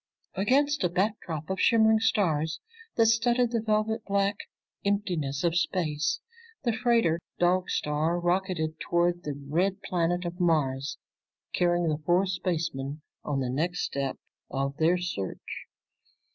Against a backdrop of shimmering stars that studded the velvet black emptiness of space, the freighter Dog Star rocketed toward the red planet of Mars carrying the four spacemen on the next step of their search.